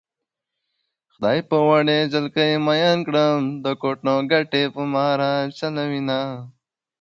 خدای په وړې جلکۍ مئين کړم د کوټنو ګټې په ما راچلوينه